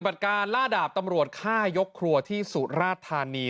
สิบรัฐการณ์ล่าดาบตำรวจฆ่ายกครัวสุรราชธานี